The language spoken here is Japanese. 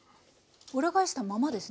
裏返したままですね？